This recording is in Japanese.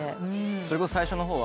それこそ最初の方は。